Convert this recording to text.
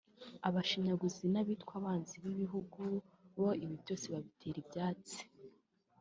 Abashinyaguzi n’abitwa abanzi b’igihugu bo ibi byose babitera ibyatsi